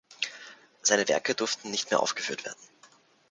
Seine Werke durften nicht mehr aufgeführt werden.